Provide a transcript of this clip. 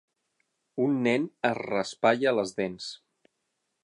Un nen es raspalla les dents.